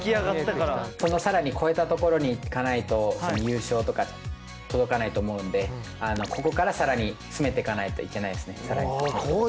そのさらに越えたところにいかないと優勝とか届かないと思うのでここからさらに詰めていかないといけないですね。